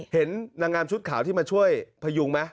เห็นนางงามชุดขาวที่มาช่วยพยุงไหม